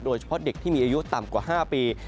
โดยเฉพาะเด็กที่มีอายุต่ำกว่า๕ปี